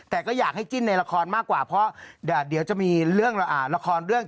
แต่ก็อยากให้จิ้นในละครมากกว่าเพราะเดี๋ยวจะมีเรื่องละครเรื่อง